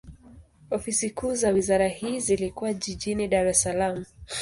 Ofisi kuu za wizara hii zilikuwa jijini Dar es Salaam.